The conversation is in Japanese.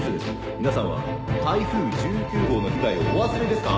皆さんは台風１９号の被害をお忘れですか？